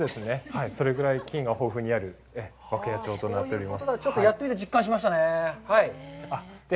それぐらい金が豊富にある涌谷町となっております。